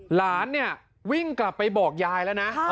หลานเนี่ยวิ่งกลับไปบอกยายแล้วนะ